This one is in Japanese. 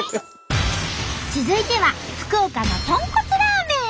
続いては福岡の豚骨ラーメン！